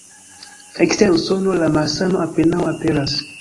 Ekster Usono, la malsano apenaŭ aperas.